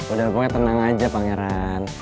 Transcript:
udah pokoknya tenang aja pangeran